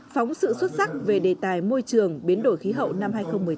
phóng sự xuất sắc về đề tài môi trường biến đổi khí hậu năm hai nghìn một mươi chín